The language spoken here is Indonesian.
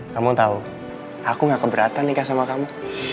kamu tahu aku gak keberatan nikah sama kamu